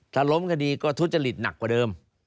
ถ้าล้มคดีก็ทุจริตหนักกว่าเดิม